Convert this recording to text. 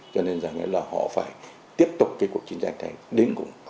cho nên rằng là họ phải tiếp tục cái cuộc chiến tranh này đến cùng